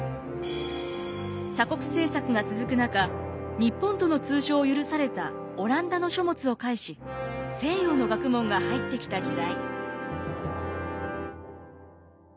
鎖国政策が続く中日本との通商を許されたオランダの書物を介し西洋の学問が入ってきた時代。